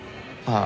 ああ。